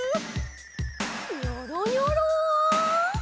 ニョロニョロ。